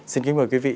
xin kính mời quý vị